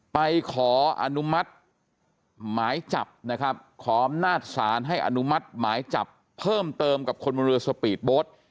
ไปขออนุมัติหมายจับนะครับขออำนาจศาลให้อนุมัติหมายจับเพิ่มเติมกับคนบนเรือสปีดโบ๊ท